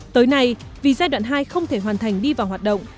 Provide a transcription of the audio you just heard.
tới nay vì giai đoạn hai không thể hoàn thành đi vào hoạt động